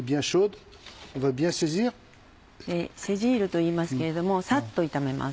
セジールといいますけれどもサッと炒めます。